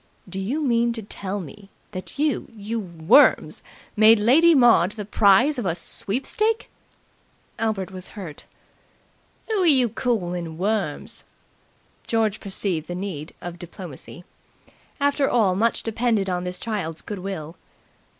"Do you mean to tell me that you you worms made Lady Maud the the prize of a sweepstake!" Albert was hurt. "Who're yer calling worms?" George perceived the need of diplomacy. After all much depended on this child's goodwill.